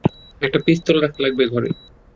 একটা পিস্তল রাখা লাগবে ঘরে।